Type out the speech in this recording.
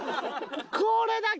これだけ。